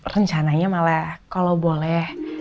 rencananya malah kalau boleh